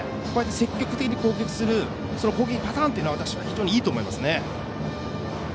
積極的なその攻撃パターンというのは非常にいいと思いますね。